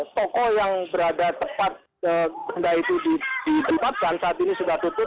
toko yang berada tepat benda itu ditempatkan saat ini sudah tutup